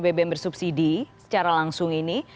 bbm bersubsidi secara langsung ini